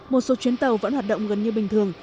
một số chuyến tàu vẫn hoạt động gần như bình thường